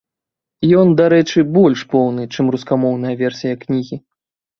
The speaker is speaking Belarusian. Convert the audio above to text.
Ён, дарэчы, больш поўны, чым рускамоўная версія кнігі.